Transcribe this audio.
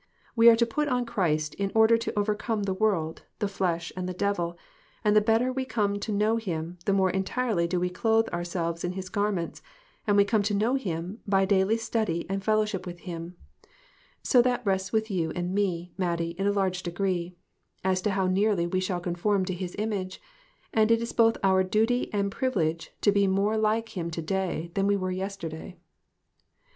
We are to put on Christ in order to overcome the world, the flesh and the devil, and the better we come to know him, the more entirely do we clothe ourselves in his garments ; and we come to know him by daily study and fellowship with him ; so that it 5<D TOTAL DEPRAVITY. rests with you and me, Mattie, in a large degree, as to how nearly we shall conform to his image, and it is both our duty and privilege to be more like him to day than we were yesterday."